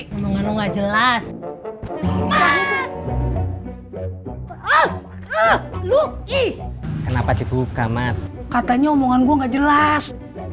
ngomong ngomong gak jelas ah ah ah lu ih kenapa dibuka mat katanya omongan gua gak jelas